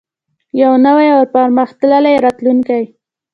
یو نوی او پرمختللی راتلونکی.